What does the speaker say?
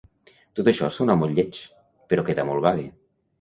Tot això sona molt lleig, però queda molt vague.